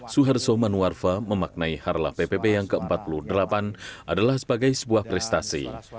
suharto manuarfa memaknai harlah ppp yang ke empat puluh delapan adalah sebagai sebuah prestasi